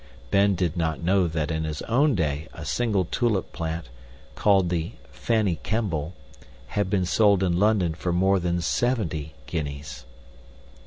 Ben did not know that in his own day a single tulip plant, called the "Fanny Kemble", had been sold in London for more than seventy guineas.